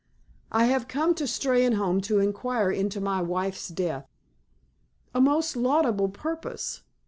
"I have come to Steynholme to inquire into my wife's death." "A most laudable purpose.